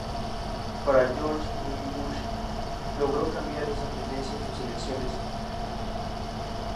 Pero George W. Bush logró cambiar esa tendencia en sus elecciones.